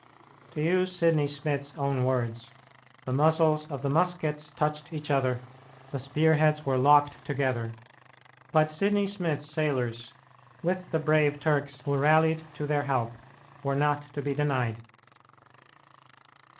To use Sidney Smith's own words, "the muzzles of the muskets touched each other the spear heads were locked together." But Sidney Smith's sailors, with the brave Turks who rallied to their help, were not to be denied.